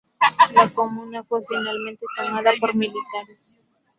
La comuna fue finalmente tomada por militares.